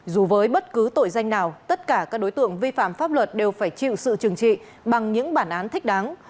dù với bất cứ tội danh nào tất cả các đối tượng vi phạm pháp luật đều phải chịu sự trừng trị bằng những bản án thích đáng